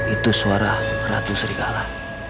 itu suara ratu serigala